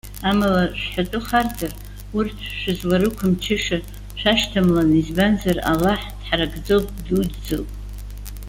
Амала шәҳәатәы харҵар, урҭ шәызларықәымчыша шәашьҭамлан, избанзар Аллаҳ дҳаракӡоуп, ддуӡӡоуп.